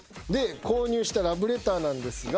購入したラブレターなんですが。